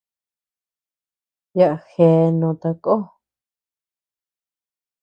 Yaʼa jea noo takó.